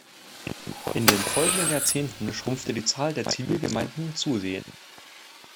In den folgenden Jahrzehnten schrumpfte die Zahl der Zivilgemeinden zusehends.